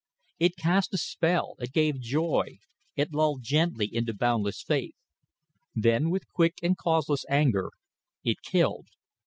It cast a spell, it gave joy, it lulled gently into boundless faith; then with quick and causeless anger it killed.